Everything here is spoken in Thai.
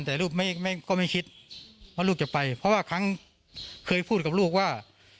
แต่ลูกไม่ก็ไม่คิดว่าลูกจะไปเพราะว่าครั้งเคยพูดกับลูกว่า